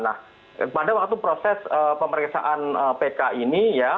nah pada waktu proses pemeriksaan pk ini ya